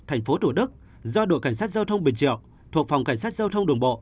thành phố thủ đức do đội cảnh sát giao thông bình triệu thuộc phòng cảnh sát giao thông đường bộ